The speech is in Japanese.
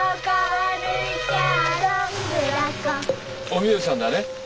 お美代ちゃんだね？